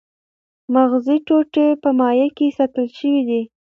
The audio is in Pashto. مغزي ټوټې په مایع کې ساتل شوې دي.